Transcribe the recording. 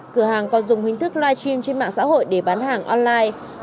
cửa hàng còn dùng hình thức live stream trên mạng xã hội để bán hàng online